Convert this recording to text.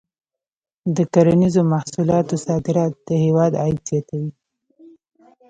د کرنیزو محصولاتو صادرات د هېواد عاید زیاتوي.